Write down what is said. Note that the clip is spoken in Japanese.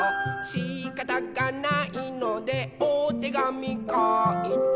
「しかたがないのでおてがみかいた」